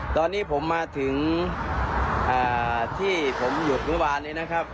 ตอนนี้ผมมาถึงที่ผมหยุดเมื่อวานนี้นะครับ